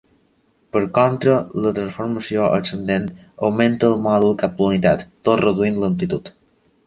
Per contra, la transformació ascendent augmenta el mòdul cap a la unitat, tot reduint l'amplitud.